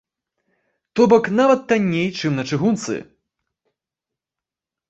То бок нават танней, чым на чыгунцы.